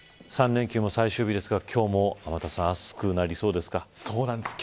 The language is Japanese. ３連休の最終日ですが今日も天達さん暑くなりそうですか。